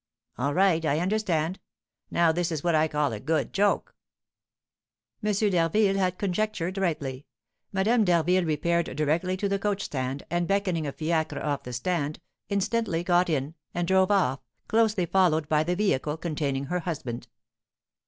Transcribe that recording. "All right, I understand! Now this is what I call a good joke!" M. d'Harville had conjectured rightly. Madame d'Harville repaired directly to the coach stand, and beckoning a fiacre off the stand, instantly got in, and drove off, closely followed by the vehicle containing her husband.